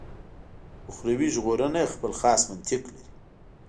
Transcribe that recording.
اخروي ژغورنه خپل خاص منطق لري.